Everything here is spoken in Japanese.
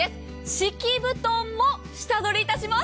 敷き布団も下取りいたします。